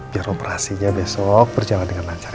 biar operasinya besok berjalan dengan lancar